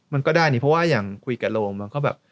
มันก็ได้นี่เพราะว่าอย่างคุยกับโรงมันก็แบบ